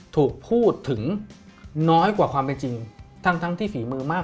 ถูกพูดถึงน้อยกว่าความเป็นจริงทั้งที่ฝีมือมาก